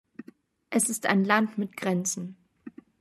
Es ist ein Land mit Grenzen.